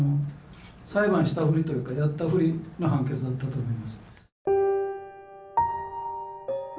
裁判したふりというかやったふりの判決だったと思います。